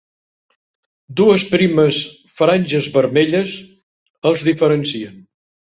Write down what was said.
Dues primes franges vermelles els diferencien.